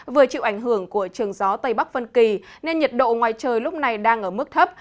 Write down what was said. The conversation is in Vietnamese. vừa chịu ảnh hưởng của trường gió tây bắc phân kỳ nên nhiệt độ ngoài trời lúc này đang ở mức thấp